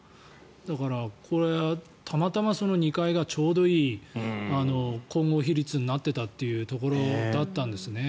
だから、これはたまたま２階がちょうどいい混合比率になっていたということなんですね。